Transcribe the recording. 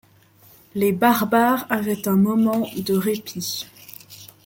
Les barbares avaient un moment -de répit